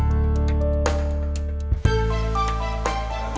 nah mungkin baru saya mengunjunginya